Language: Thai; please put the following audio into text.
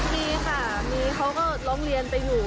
มีค่ะมีเขาก็ร้องเรียนไปอยู่